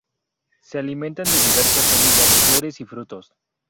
Se alimentan de diversas semillas, flores y frutos.